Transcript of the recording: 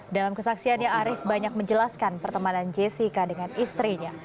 dalam kesaksiannya arief banyak menjelaskan pertemanan jessica dengan istrinya